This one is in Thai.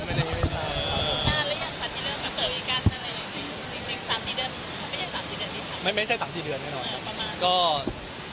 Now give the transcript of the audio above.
ไมาไม่ใช่๓๔เดือนไม่ใช่ประมาณ๓๔เดือน